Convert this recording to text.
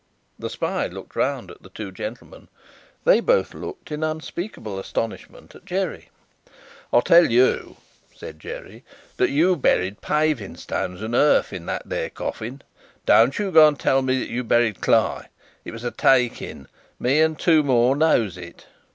The spy looked round at the two gentlemen; they both looked in unspeakable astonishment at Jerry. "I tell you," said Jerry, "that you buried paving stones and earth in that there coffin. Don't go and tell me that you buried Cly. It was a take in. Me and two more knows it."